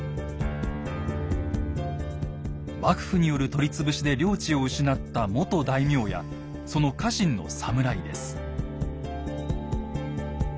幕府による取り潰しで領地を失った元大名やその家臣の侍です。